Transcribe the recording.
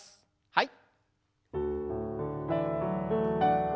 はい。